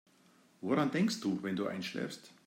Woran denkst du, wenn du einschläfst?